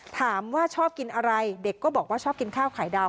ถามว่าชอบกินอะไรเด็กก็บอกว่าชอบกินข้าวไข่ดาว